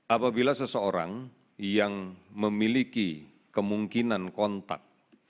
apabila seseorang yang memiliki kemungkinan kontak